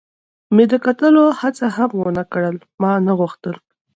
مې د کتلو هڅه هم و نه کړل، ما نه غوښتل.